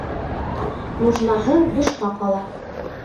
Нужнаһы бушҡа ҡала.